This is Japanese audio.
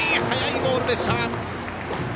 速いボールでした。